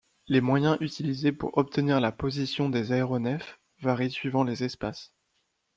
Les moyens utilisés pour obtenir la position des aéronefs varient suivant les espaces.